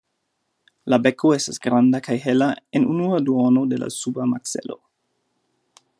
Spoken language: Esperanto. La beko estas granda kaj hela en unua duono de la suba makzelo.